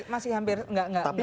masih hampir enggak enggak